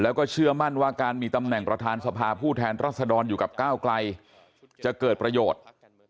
ว่าการมีตำแหน่งประธานสภาผู้แทนรัศดรอยู่กับก้าวกลัยจะเกิดประโยชน์